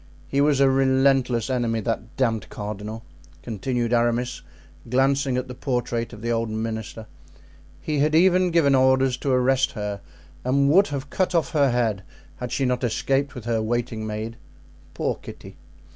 He was a relentless enemy, that damned cardinal," continued Aramis, glancing at the portrait of the old minister. "He had even given orders to arrest her and would have cut off her head had she not escaped with her waiting maid—poor Kitty!